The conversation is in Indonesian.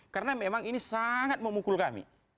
karena memang ini sangat memukul kami